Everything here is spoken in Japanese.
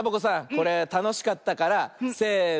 これたのしかったからせの。